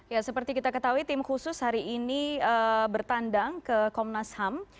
ya seperti kita ketahui tim khusus hari ini bertandang ke komnas ham